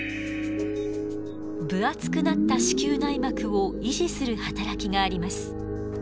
分厚くなった子宮内膜を維持する働きがあります。